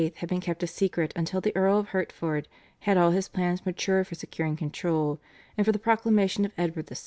had been kept a secret until the Earl of Hertford had all his plans matured for securing control, and for the proclamation of Edward VI.